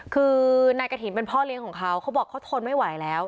คือนายกฐินเป็นพ่อเลี้ยงของเขาเขาบอกเขาทนไม่ไหวแล้ว